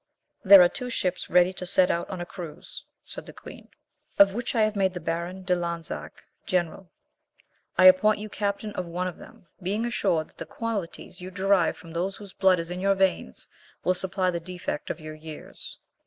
"There are two ships ready to set out on a cruise," said the queen, "of which I have made the Baron de Lansac general. I appoint you captain of one of them, being assured that the qualities you derive from those whose blood is in your veins will supply the defect of your years.